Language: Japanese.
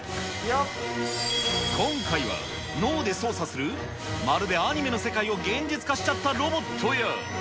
今回は、脳で操作する、まるでアニメの世界を現実化しちゃったロボットや。